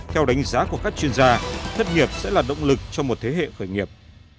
theo đánh giá của các chuyên gia thất nghiệp sẽ là động lực cho một thế hệ khởi nghiệp